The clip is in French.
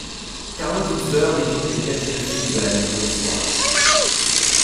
Carlo Ginzburg est une des têtes de file de la microhistoire.